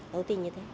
tôi tin như thế